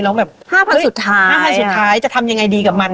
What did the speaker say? แล้วแบบห้าพันสุดท้ายห้าพันสุดท้ายจะทำยังไงดีกับมัน